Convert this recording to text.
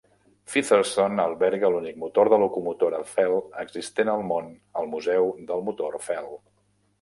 Featherston alberga l'únic motor de locomotora Fell existent al món al Museu del motor Fell.